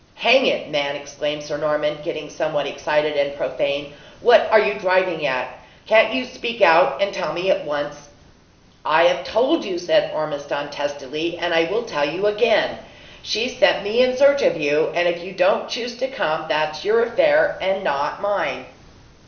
Hang it, man!" exclaimed Sir Norman, getting somewhat excited and profane, "what are you driving at? Can't you speak out and tell me at once?" "I have told you!" said Ormiston, testily: "and I tell you again, she sent me in search of you, and if you don't choose to come, that's your own affair, and not mine."